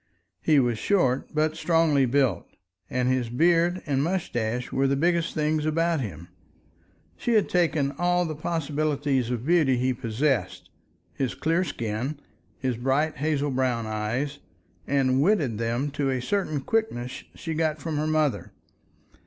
He was short but strongly built, and his beard and mustache were the biggest things about him. She had taken all the possibility of beauty he possessed, his clear skin, his bright hazel brown eyes, and wedded them to a certain quickness she got from her mother.